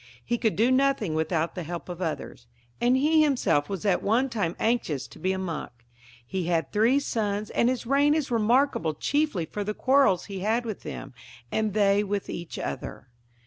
He could do nothing without the help of others ; he had many Church men about him, and he himself was at one time anxious to be a monk. He had three sons, and his reign is remarkable chiefly for the quarrels he had with them, and they with each other.